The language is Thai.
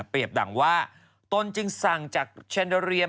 ปรียบดังว่าต้นจึงสั่งจากเช็นเตอร์เลีย